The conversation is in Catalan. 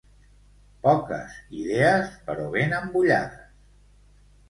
Poques idees, però ben embullades.